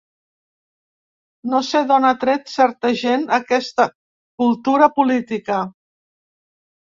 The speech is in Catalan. No sé d'on ha tret certa gent aquest cultura política.